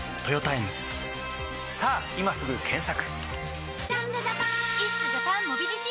さぁ今すぐ検索！